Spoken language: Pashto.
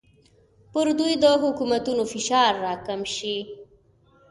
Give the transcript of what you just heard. پر دوی د حکومتونو فشار راکم شي.